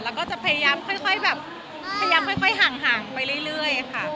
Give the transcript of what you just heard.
แล้วก็จะพยายามค่อยห่างไปเรื่อยค่ะ